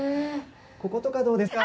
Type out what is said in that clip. こことかどうですか？